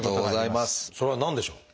それは何でしょう？